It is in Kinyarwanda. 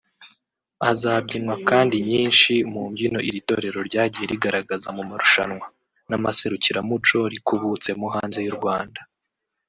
Hazabyinwa kandi nyinshi mu mbyino iri torero ryagiye rigaragaza mu marushanwa n’amaserukiramuco rikubutsemo hanze y’u Rwanda